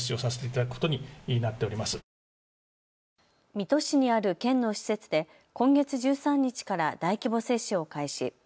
水戸市にある県の施設で今月１３日から大規模接種を開始。